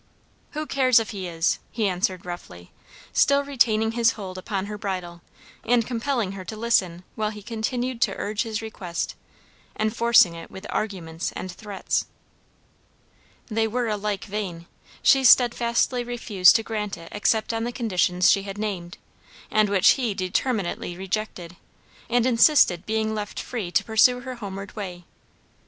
"Who cares if he is!" he answered roughly, still retaining his hold upon her bridle, and compelling her to listen while he continued to urge his request; enforcing it with arguments and threats. They were alike vain, she steadfastly refused to grant it except on the conditions she had named, and which he determinately rejected and insisted being left free to pursue her homeward way.